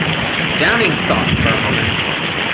Downing thought for a moment.